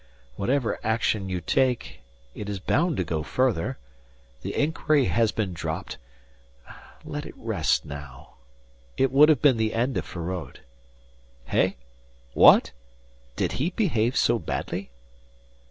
Whatever action you take it is bound to go further. The inquiry has been dropped let it rest now. It would have been the end of Feraud." "Hey? What? Did he behave so badly?"